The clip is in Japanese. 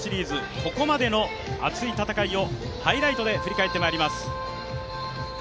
ここまでの熱い戦いをハイライトで振り返ってまいります。